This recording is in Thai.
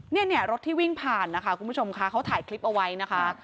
เนี่ยรถที่วิ่งผ่านนะคะคุณผู้ชมค่ะเขาถ่ายคลิปเอาไว้นะคะ